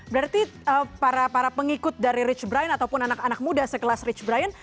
berarti para pengikut dari rich brian ataupun anak anak muda sekelas rich brian